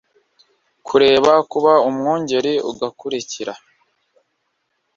kureka kuba umwungeri ugakurikira